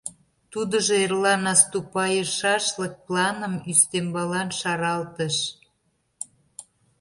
Тудыжо эрла наступайышашлык планым ӱстембалан шаралтыш.